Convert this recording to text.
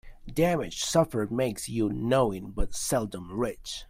Damage suffered makes you knowing, but seldom rich.